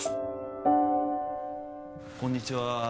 こんにちは。